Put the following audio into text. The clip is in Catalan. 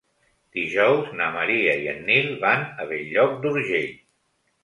Dijous na Maria i en Nil van a Bell-lloc d'Urgell.